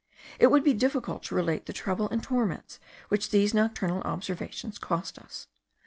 It would be difficult to relate the trouble and torments which these nocturnal observations cost us.